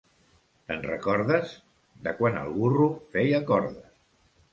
Te'n recordes? / —De quan el burro feia cordes.